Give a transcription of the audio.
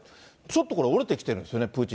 ちょっとこれ、折れてきてるんでそうですね。